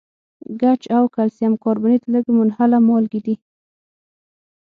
ګچ او کلسیم کاربونیټ لږ منحله مالګې دي.